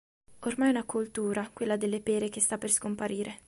Ormai è una coltura quella delle pere che sta per scomparire.